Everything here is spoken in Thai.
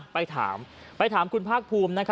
ไปถามคุณพลาคภูมิ